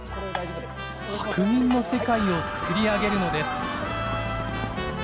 白銀の世界を作り上げるのです。